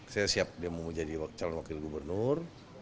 saya siap dia mau menjadi calon wakil gubernur